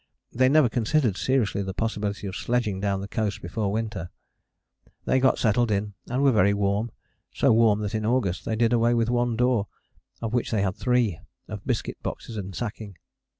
They never considered seriously the possibility of sledging down the coast before the winter. They got settled in and were very warm so warm that in August they did away with one door, of which they had three, of biscuit boxes and sacking.